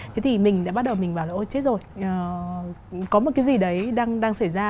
thế thì mình đã bắt đầu mình bảo là ô chết rồi có một cái gì đấy đang xảy ra